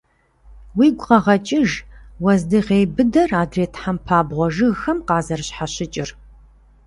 Уигу къэгъэкӀыж уэздыгъей быдэр адрей тхьэмпабгъуэ жыгхэм къазэрыщхьэщыкӀыр.